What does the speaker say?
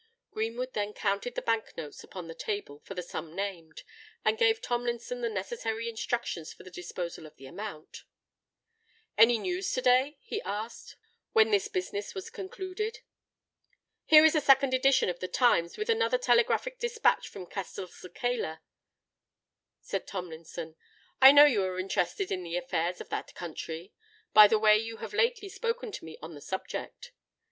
Greenwood then counted the Bank notes upon the table for the sum named, and gave Tomlinson the necessary instructions for the disposal of the amount. "Any news to day?" he asked, when this business was concluded. "Here is a second edition of The Times with another Telegraphic Despatch from Castelcicala," said Tomlinson. "I know you are interested in the affairs of that country, by the way you have lately spoken to me on the subject."